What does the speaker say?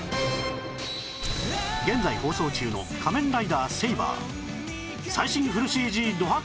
現在放送中の『仮面ライダーセイバー』